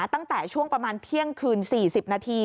ตั้งแต่ช่วงประมาณเที่ยงคืน๔๐นาที